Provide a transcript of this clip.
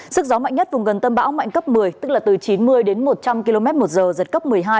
sức gió mạnh nhất vùng gần tâm bão mạnh cấp một mươi tức là từ chín mươi đến một trăm linh km một giờ giật cấp một mươi hai